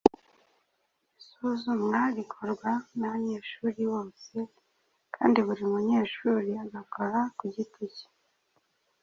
Isuzumwa rikorwa n’abanyeshuri bose kandi buri munyeshuri agakora ku giti ke